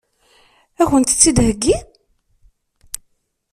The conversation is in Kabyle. Ad kent-tt-id-iheggi?